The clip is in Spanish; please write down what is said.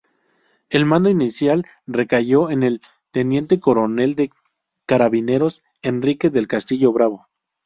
El mando inicial recayó en el teniente coronel de carabineros Enrique del Castillo Bravo.